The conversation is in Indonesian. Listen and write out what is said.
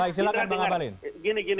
baik silahkan bang abalin